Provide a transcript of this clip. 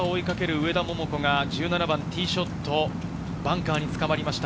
上田桃子が１７番ティーショット、バンカーにつかまりました。